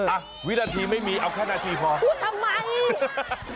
อ่ะวินาทีไม่มีเอาแค่นาทีพออุ้ยทำไม